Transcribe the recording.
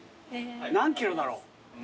何キロだろう。